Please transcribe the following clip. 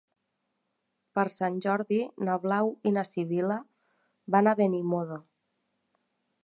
Per Sant Jordi na Blau i na Sibil·la van a Benimodo.